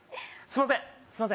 すいません